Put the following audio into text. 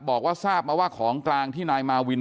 บอกว่าทราบมาว่าของกลางที่นายมาวิน